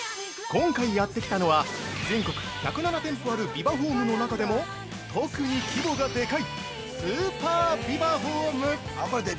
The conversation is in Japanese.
今回やってきたのは、全国１０７店舗あるビバホームの中でも、特に規模がでかいスーパービバホーム！